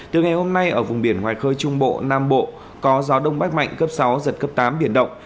từ ngày hôm nay ở vùng biển ngoài khơi trung bộ nam bộ có gió đông bắc mạnh cấp sáu giật cấp tám biển động